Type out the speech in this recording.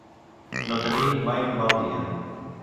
No tenir mai mal dia.